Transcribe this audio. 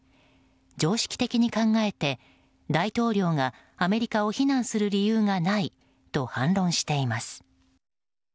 常識的に考えて大統領がアメリカを非難する理由がないと反論しています。